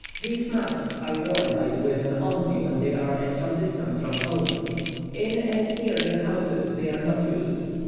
These masks are worn by the women only when they are at some distance from home; in and near their houses they are not used.